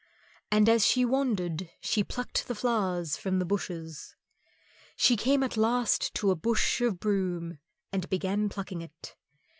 And as she wandered she plucked the flowers from the bushes. She came at last to a bush of broom and began plucking it.